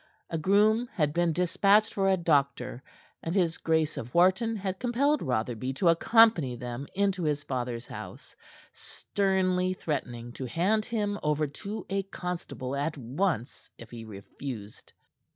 A groom had been dispatched for a doctor, and his Grace of Wharton had compelled Rotherby to accompany them into his father's house, sternly threatening to hand him over to a constable at once if he refused.